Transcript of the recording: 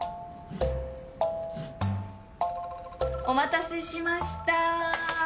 お待たせしました。